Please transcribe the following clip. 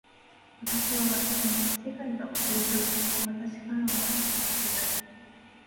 私は忘れない。世界が忘れてもこの私からは忘れさせない。